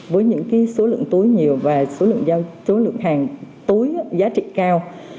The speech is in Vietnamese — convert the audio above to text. với những số lượng túi nhiều và số lượng hàng túi giá trị cao